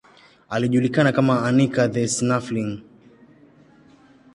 Alijulikana kama Anica the Snuffling.